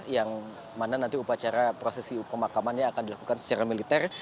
yang mana nanti upacara prosesi pemakamannya akan dilakukan secara militer